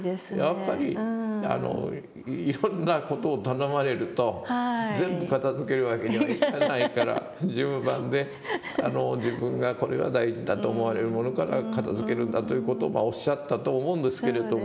やっぱりいろんな事を頼まれると全部片づけるわけにはいかないから順番で自分がこれは大事だと思われるものから片づけるんだという事をおっしゃったと思うんですけれども。